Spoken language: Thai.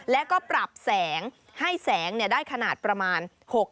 แล้วก็ปรับแสงให้แสงได้ขนาดประมาณ